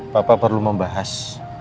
papa perlu membahas